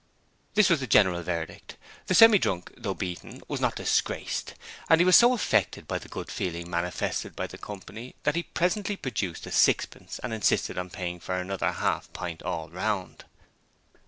This was the general verdict. The Semi drunk, though beaten, was not disgraced: and he was so affected by the good feeling manifested by the company that he presently produced a sixpence and insisted on paying for another half pint all round.